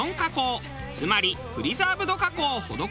つまりプリザーブド加工を施したお花。